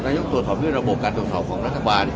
นายยกตรวจสอบเรื่องระบบการตรวจสอบของรัฐบาล